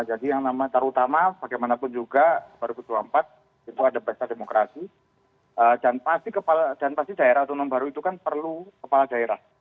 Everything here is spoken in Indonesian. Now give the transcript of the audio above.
jadi yang terutama bagaimanapun juga dua ribu dua puluh empat itu ada pesta demokrasi dan pasti daerah atau nomor baru itu kan perlu kepala daerah